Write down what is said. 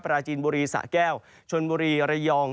ปราจีนบุรีสะแก้วชนบุรีระยอง